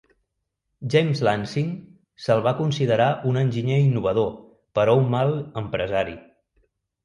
James Lansing se'l va considerar un enginyer innovador però un mal empresari.